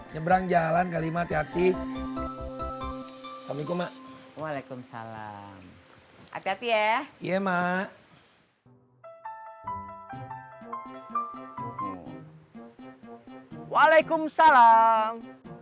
nyebrang jalan kali mati hati assalamualaikum waalaikumsalam hati hati ya iya ma waalaikumsalam